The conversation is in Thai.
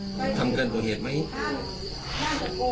ทำเกินเหตุไหม